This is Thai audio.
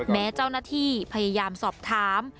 แม้เจ้าหน้าที่พยายามสอบถาม